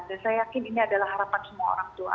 saya yakin ini adalah harapan semua orang tua